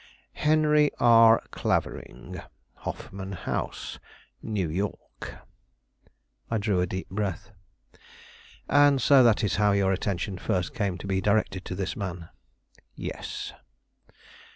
"Henry R. Clavering, Hoffman House, New York." I drew a deep breath. "And so that is how your attention first came to be directed to this man?" "Yes."